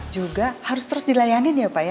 juga harus terus dilayani ya pak ya